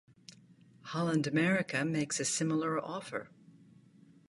Holland America makes a similar offer.